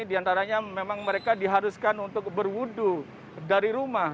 diantaranya memang mereka diharuskan untuk berwudhu dari rumah